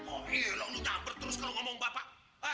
oh iya lu ngamber terus kalau ngomong bapak